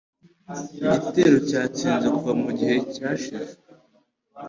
Igitero cyatsinze kuva mu gihe cyashije